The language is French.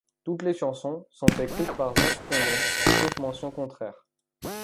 Toutes les chansons sont écrites par Zach Condon, sauf mention contraire.